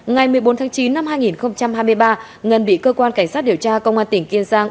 ngày một mươi bốn tháng chín năm hai nghìn hai mươi ba ngân bị cơ quan cảnh sát điều tra công an tỉnh kiên giang